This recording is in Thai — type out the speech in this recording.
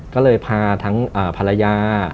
ก็เลยพาทั้งภรรยา